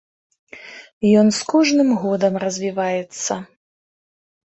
Ён з кожным годам развіваецца.